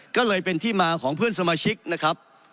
ก็เลยเป็นที่มาของเพื่อนสมาชิกนะครับ